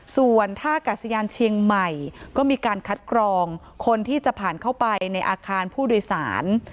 ส่วนท่ากาศยานเชียงใหม่ก็มีการคัดกรองคนที่จะผ่านเข้าไปในอาคารผู้โดยสาร